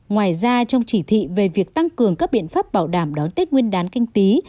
ngoài ra trong chỉ thị về việc tăng cường các biện pháp bảo đảm đón tết nguyên đán canh tí